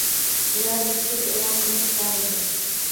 Ular izchil eʼlon qilib borildi